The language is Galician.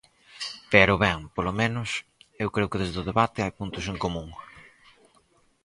Pero, ben, polo menos, eu creo que desde o debate hai puntos en común.